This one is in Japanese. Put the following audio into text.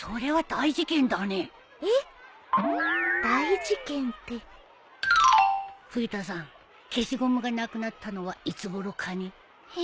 大事件って冬田さん消しゴムがなくなったのはいつごろかね？